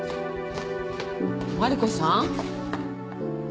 マリコさん？